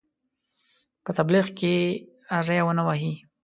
په تبلیغ کې ری ونه وهي.